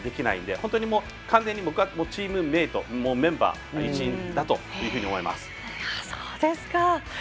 本当に完全にチームメートメンバーの一員だと思います。